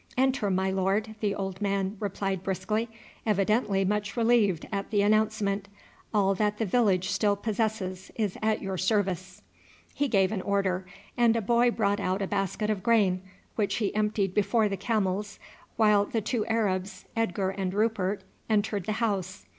"Enter, my lord," the old man replied briskly, evidently much relieved at the announcement; "all that the village still possesses is at your service." He gave an order, and a boy brought out a basket of grain, which he emptied before the camels, while the two Arabs, Edgar, and Rupert entered the house.